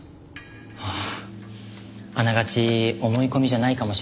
あああながち思い込みじゃないかもしれない。